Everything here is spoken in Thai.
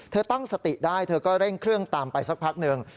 ตั้งสติได้เธอก็เร่งเครื่องตามไปสักพักหนึ่ง